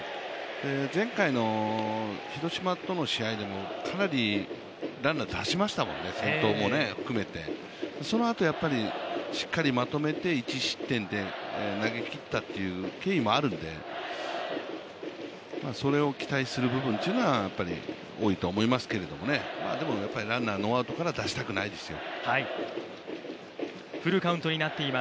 前回の広島との試合でもかなりランナー出しましたもんね、先頭も含めて、そのあとしっかりまとめて１失点で投げきったっていう経緯もあるのでそれを期待する部分っていうのはやっぱり多いと思いますけれども、ランナーノーアウトから出したくないですよ。